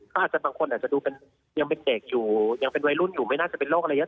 เขาอาจจะบางคนอาจจะดูยังเป็นเด็กอยู่ยังเป็นวัยรุ่นอยู่ไม่น่าจะเป็นโรคอะไรอย่างนี้